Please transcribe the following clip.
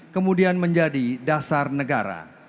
kemudian menjadi dasar negara